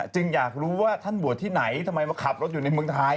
จึงอยากรู้ว่าท่านบวชที่ไหนทำไมมาขับรถอยู่ในเมืองไทย